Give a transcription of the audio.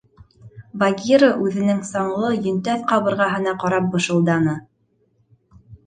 Багира үҙенең саңлы, йөнтәҫ ҡабырғаһына ҡарап бышылданы: